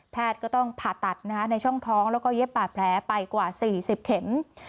ก็ต้องผ่าตัดในช่องท้องแล้วก็เย็บบาดแผลไปกว่า๔๐เข็ม